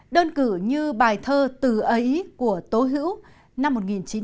đơn cử như bài thơ từ ấy của tố hữu năm một nghìn chín trăm ba mươi tám